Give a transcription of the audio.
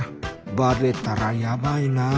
バレたらやばいなあ。